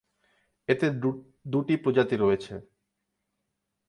এতে দুটি প্রজাতি রয়েছে।